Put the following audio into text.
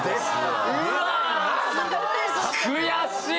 悔しい！